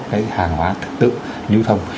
có nghĩa là đã có cái hàng hóa thực tự nhu thông